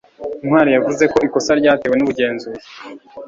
ntwali yavuze ko ikosa ryatewe n'ubugenzuzi